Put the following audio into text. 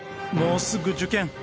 もうすぐ受験。